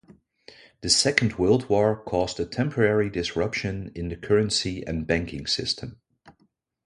The Second World War caused a temporary disruption in the currency and banking system.